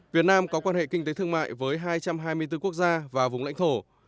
việt nam có quan hệ kinh tế thương mại với hai trăm hai mươi bốn quốc gia và vùng lãnh thổ